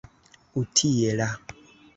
utila